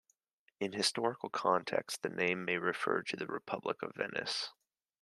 In historical contexts, the name may refer to the Republic of Venice.